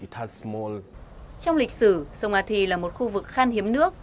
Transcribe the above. trong lịch sử sông athi là một khu vực khan hiếm nước